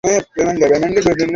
তোমার মেয়েকে আমার শুভেচ্ছা জানিয়ো!